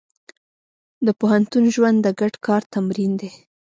د پوهنتون ژوند د ګډ کار تمرین دی.